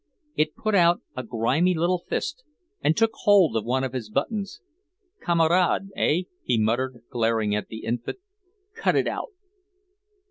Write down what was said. It put out a grimy little fist and took hold of one of his buttons. "Kamerad, eh?" he muttered, glaring at the infant. "Cut it out!"